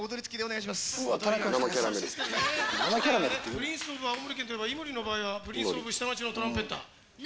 プリンスオブ青森県といえば井森の場合はプリンスオブ下町のトランペッター。